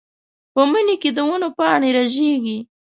په مني کې د ونو پاڼې رژېږي.